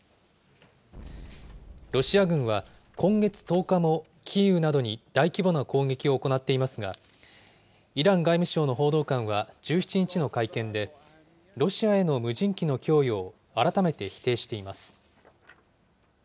ロシア軍は今月１０日もキーウなどに大規模な攻撃を行っていますが、イラン外務省の報道官は１７日の会見で、ロシアへの無人機の供与を改めて否定しています。